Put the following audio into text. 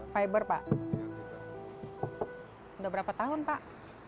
fiber pak udah berapa tahun pak